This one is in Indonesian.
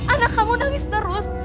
anak kamu nangis terus